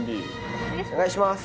お願いします。